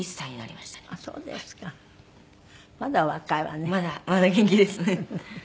まだまだ元気ですね。